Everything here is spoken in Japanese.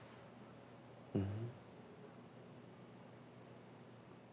うん。